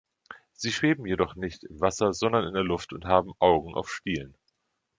Sie schweben jedoch nicht im Wasser, sondern in der Luft und haben Augen auf Stielen.